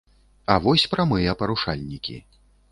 А вось прамыя парушальнікі.